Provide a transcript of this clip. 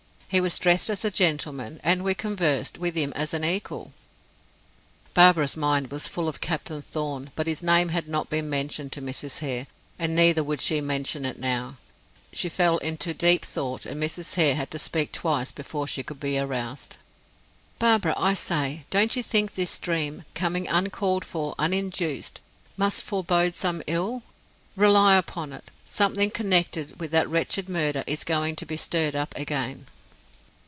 He was dressed as a gentleman, and we conversed, with him as an equal." Barbara's mind was full of Captain Thorn, but his name had not been mentioned to Mrs. Hare, and neither would she mention it now. She fell into deep thought; and Mrs. Hare had to speak twice before she could be aroused. "Barbara, I say, don't you think this dream, coming uncalled for uninduced, must forebode some ill? Rely upon it, something connected with that wretched murder is going to be stirred up again."